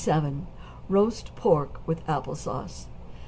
=Roast Pork with Apple Sauce.